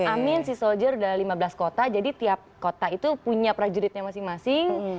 amin sea soldier udah lima belas kota jadi tiap kota itu punya prajuritnya masing masing